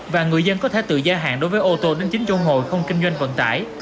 và người dân có thể tự gia hạn đối với ô tô đến chính trung hồi không kinh doanh vận tải